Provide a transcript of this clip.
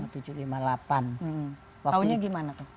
tahunya gimana tuh